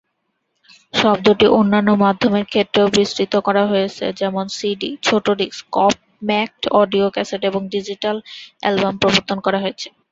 শব্দটি অন্যান্য মাধ্যমের ক্ষেত্রেও বিস্তৃত করা হয়েছে, যেমন সিডি, ছোট ডিস্ক, কপম্যাক্ট অডিও ক্যাসেট এবং ডিজিটাল এ্যালবাম প্রবর্তন করা হয়েছে।